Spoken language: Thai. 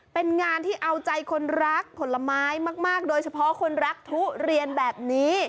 เป็นงานที่เอาใจคนรักผลไม้มากโดยเฉพาะคนรักทุเรียนแบบนี้